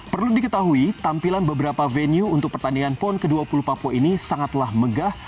perlu diketahui tampilan beberapa venue untuk pertandingan pon ke dua puluh papua ini sangatlah megah